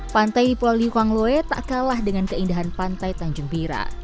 pantai di pulau liuangle tak kalah dengan keindahan pantai tanjung bira